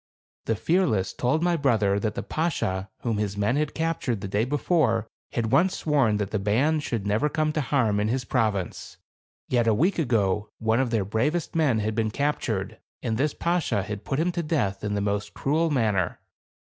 The Fearless told my brother that the Bashaw whom his men had captured the day before had once sworn that the band should never come to harm in his province. Yet a week ago, one of their bravest men had been captured, and this Bashaw had put him to death in the most cruel manner.